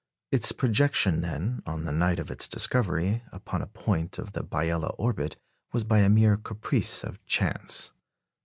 Its projection, then, on the night of its discovery, upon a point of the Biela orbit was by a mere caprice of chance.